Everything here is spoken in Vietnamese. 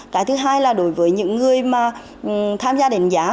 cái thứ hai là đối với những người mà tham gia đánh giá